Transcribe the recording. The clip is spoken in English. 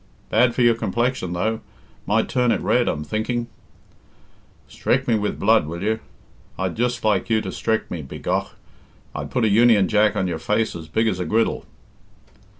"Bad for your complexion, though; might turn it red, I'm thinking." "Strek me with blood will you? I'd just like you to strek me, begough. I'd put a Union Jack on your face as big as a griddle."